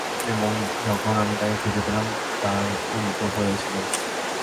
এবং যখন আমি তাকে খুঁজে পেলাম, তার উল্টো পড়ে ছিল।